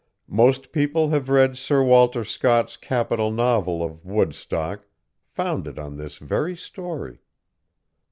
Most people have read Sir Walter Scott's capital novel of "Woodstock," founded on this very story.